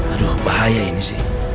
aduh bahaya ini sih